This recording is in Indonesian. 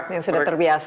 yang sudah terbiasa